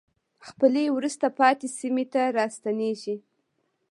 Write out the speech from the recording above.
خپلې وروسته پاتې سیمې ته راستنېږي.